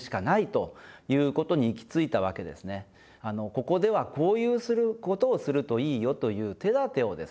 ここではこういうことをするといいよという手だてをですね